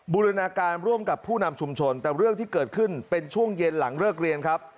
บูรณาการร่วมกับผู้นำชุมชนแต่เรื่องที่เกิดขึ้นเป็นช่วงเย็นหลังเลิกเรียนครับ